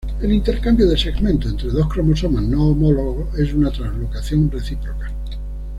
El intercambio de segmento entre dos cromosomas no homólogos es una translocación recíproca.